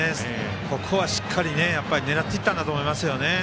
ここはしっかり狙っていったんだと思いますよね。